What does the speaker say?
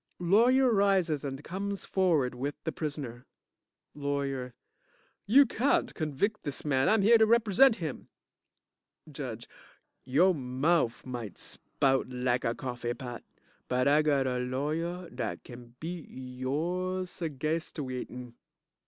(LAWYER arises and comes forward with the prisoner) LAWYER You can't convict this man. I'm here to represent him. JUDGE Yo' mouf might spout lak a coffee pot but I got a lawyer (Looks at other lawyer) dat kin beat your segastuatin'.